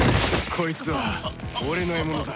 こいつは俺の獲物だ。